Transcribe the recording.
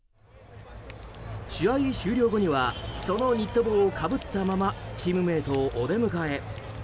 試合終了後にはそのニット帽をかぶったままチームメートをお出迎え。